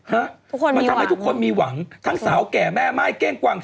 ฮะทุกคนมันทำให้ทุกคนมีหวังทั้งสาวแก่แม่ม่ายเก้งกวาง